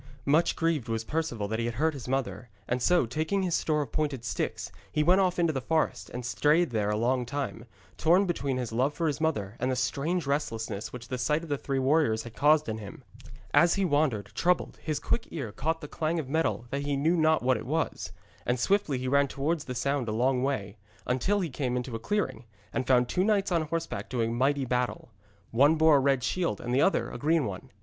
Much grieved was Perceval that he had hurt his mother, and so, taking his store of pointed sticks, he went off into the forest, and strayed there a long time, torn between his love for his mother, and the strange restlessness which the sight of the three warriors had caused in him. As he wandered, troubled, his quick ear caught the clang of metal, though he knew not what it was. And swiftly he ran towards the sound a long way, until he came into a clearing, and found two knights on horseback doing mighty battle. One bore a red shield and the other a green one.